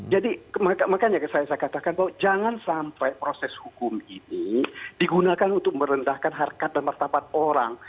jadi makanya saya katakan bahwa jangan sampai proses hukum ini digunakan untuk merendahkan harga dan martabat orang